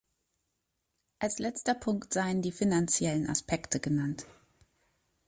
Als letzter Punkt seien die finanziellen Aspekte genannt.